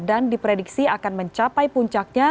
dan diprediksi akan mencapai punca